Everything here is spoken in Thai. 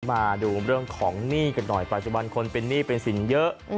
มาดูเรื่องของหนี้กันหน่อยปัจจุบันคนเป็นหนี้เป็นสินเยอะ